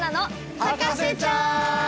『博士ちゃん』！